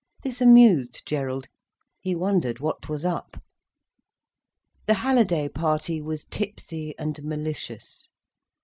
This amused Gerald—he wondered what was up. The Halliday party was tipsy, and malicious.